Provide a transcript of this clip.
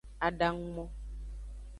Adangumo.